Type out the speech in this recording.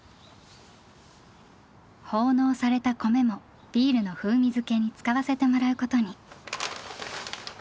奉納された米もビールの風味付けに使わせてもらうことに。